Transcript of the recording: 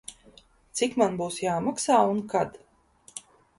Cik man būs jāmaksā un kad?